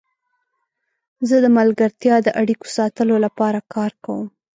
زه د ملګرتیا د اړیکو ساتلو لپاره کار کوم.